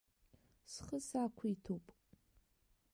Схы сақәиҭуп.